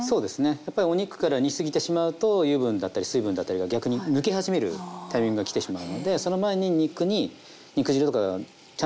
やっぱりお肉から煮すぎてしまうと油分だったり水分だったりが逆に抜け始めるタイミングが来てしまうのでその前に肉に肉汁とかがちゃんと中に入ってる状態。